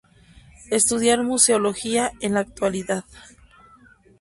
Estudiar Museología en la actualidad.